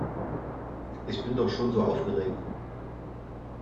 Ich bin doch schon so aufgeregt.